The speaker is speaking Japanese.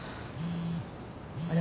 あれ？